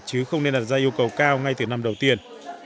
chứ không nên đặt ra yêu cầu cao ngay từ năm đầu tiên